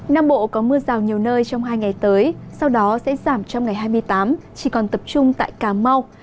nam bộ có mưa rào nhiều nơi trong hai ngày tới sau đó sẽ giảm trong ngày hai mươi tám chỉ còn tập trung tại cà mau